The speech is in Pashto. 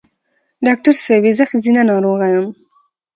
ډاکټر صېبې زه ښځېنه ناروغی یم